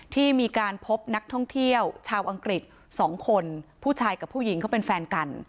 ที่มีการพบนักท่องเที่ยวชาวอังกฤษ๒คนผู้ชายกับผู้หญิงเขาเป็นแฟนกัน